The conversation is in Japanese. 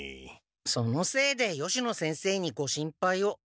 そのせいで吉野先生にご心配を。